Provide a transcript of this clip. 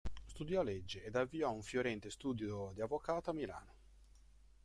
Studiò legge ed avviò un fiorente studio di avvocato a Milano.